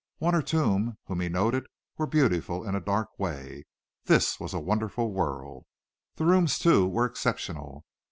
One or two whom he noted were beautiful in a dark way. This was a wonderful world. The rooms too, were exceptional.